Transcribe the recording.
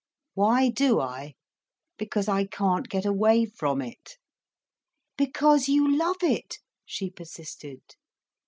"Why do I? Because I can't get away from it." "Because you love it," she persisted.